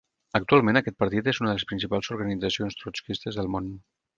Actualment aquest partit és una de les principals organitzacions trotskistes del món.